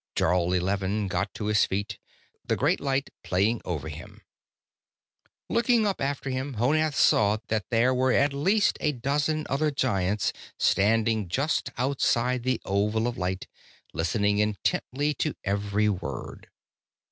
Jarl Eleven got to his feet, the great light playing over him. Looking up after him, Honath saw that there were at least a dozen other Giants standing just outside the oval of light, listening intently to every word.